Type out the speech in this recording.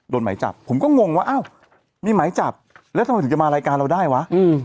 หมายจับผมก็งงว่าอ้าวมีหมายจับแล้วทำไมถึงจะมารายการเราได้วะ